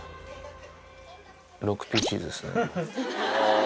６Ｐチーズですね。